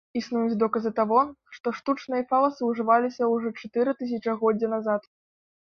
Існуюць доказы таго, што штучныя фаласы ўжываліся ўжо чатыры тысячагоддзя назад.